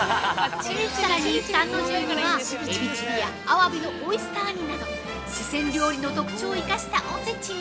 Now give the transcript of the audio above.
さらに、参の重にはエビチリやアワビのオイスター煮など四川料理の特徴を生かしたおせちに。